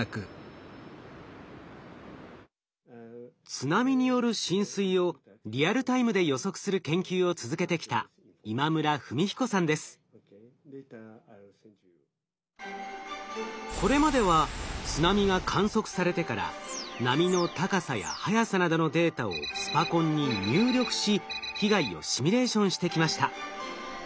津波による浸水をリアルタイムで予測する研究を続けてきたこれまでは津波が観測されてから波の高さや速さなどのデータをスパコンに入力し被害をシミュレーションしてきました。